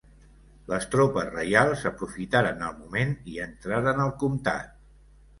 Les tropes reials aprofitaren el moment i entraren al comtat.